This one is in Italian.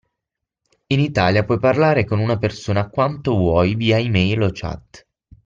In Italia puoi parlare con una persona quanto vuoi via email o chat